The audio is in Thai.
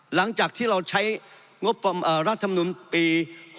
หลังจากที่เราใช้รัฐมนุนปี๖๐